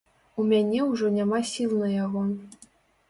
У мяне ўжо няма сіл на яго.